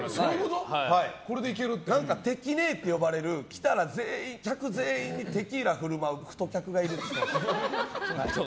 テキ姉って呼ばれる来たら全員にテキーラを振舞う太客がいるって。